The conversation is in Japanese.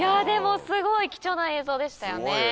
でもすごい貴重な映像でしたね。